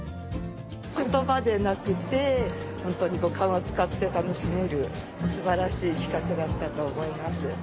言葉でなくてホントに五感を使って楽しめる素晴らしい企画だったと思います。